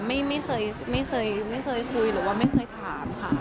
ไม่เคยคุยหรือว่าไม่เคยถามค่ะ